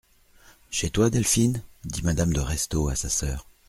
Chez toi, Delphine ? dit madame de Restaud à sa sœur.